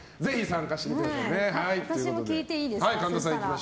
私も聞いていいですか。